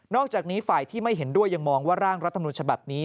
อกจากนี้ฝ่ายที่ไม่เห็นด้วยยังมองว่าร่างรัฐมนุนฉบับนี้